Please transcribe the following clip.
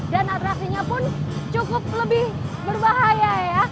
dan atraksinya pun cukup lebih berbahaya ya